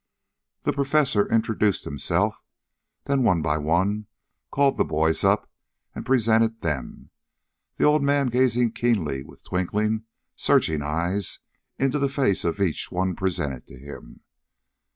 The Professor introduced himself, then one by one called the boys up and presented them, the old man gazing keenly with twinkling, searching eyes into the face of each one presented to him.